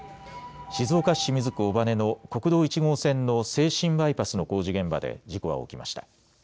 静岡市清水区尾羽の国道１号線の静清バイパスの工事現場で事故は起きました。